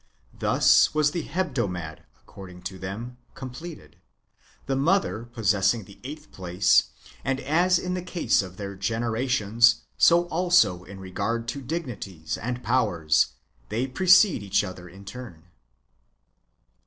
Thus was the Plebdomad, according to them, completed, the mother possessing the eighth place ; and as in the case of their generations, so also in regard to dignities and powers, they precede each other in turn.